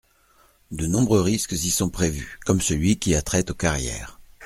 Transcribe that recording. De nombreux risques y sont prévus, comme celui qui a trait aux carrières.